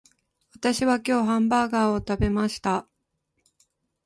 私は今日ハンバーガーを食べました